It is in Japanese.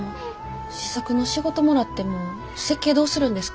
試作の仕事もらっても設計どうするんですか？